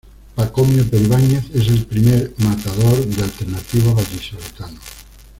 Pacomio Peribáñez es el primer matador de alternativa vallisoletano.